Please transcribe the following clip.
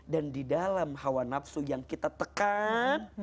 dan di dalam hawa nafsu yang kita tekan